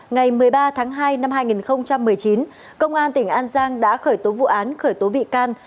ngày một mươi ba tháng hai năm hai nghìn một mươi chín công an tỉnh an giang đã khởi tố vụ án khởi tố bị can